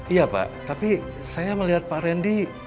iya pak tapi saya melihat pak randy